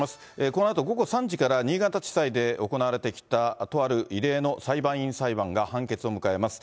このあと午後３時から、新潟地裁で行われてきたとある異例の裁判員裁判が判決を迎えます。